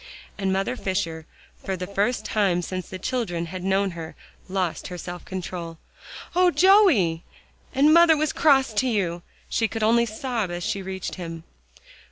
And Mother Fisher, for the first time since the children had known her, lost her self control. "Oh, Joey! and mother was cross to you," she could only sob as she reached him.